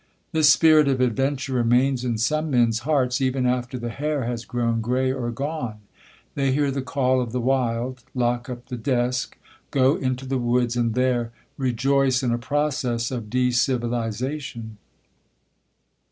This spirit of adventure remains in some men's hearts, even after the hair has grown grey or gone; they hear the call of the wild, lock up the desk, go into the woods, and there rejoice in a process of decivilisation.